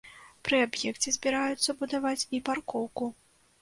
Пры аб'екце збіраюцца будаваць і паркоўку.